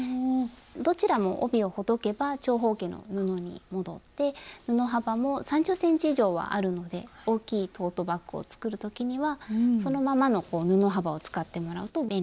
どちらも帯をほどけば長方形の布に戻って布幅も３０ｃｍ以上はあるので大きいトートバッグを作る時にはそのままの布幅を使ってもらうと便利ですね。